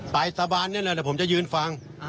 ไปสะบานเนี่ยแหละแต่ผมจะยืนฟัง